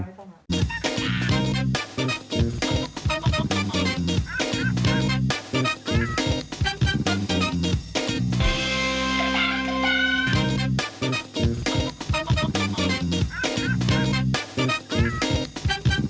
หลักฐาน